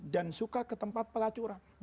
dan suka ke tempat pelacuran